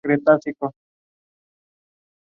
Ella se uniría a ellos.